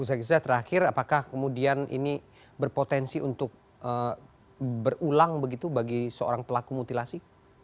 usai geza terakhir apakah kemudian ini berpotensi untuk berulang begitu bagi seorang pelaku mutilasi